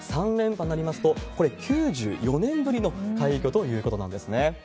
３連覇なりますと、これ、９４年ぶりの快挙ということなんですね。